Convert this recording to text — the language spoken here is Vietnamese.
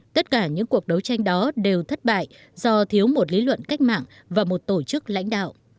tất cả những cuộc đấu tranh đó đều thất bại do thiếu một lý luận cách mạng và một tổ chức lãnh đạo